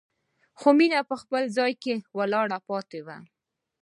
خو مينه په خپل ځای کې ولاړه پاتې وه.